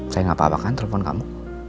saya gak apa apakan telepon kamu